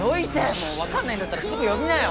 もうわかんないんだったらすぐ呼びなよ！